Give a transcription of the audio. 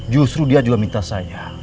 justru dia juga minta saya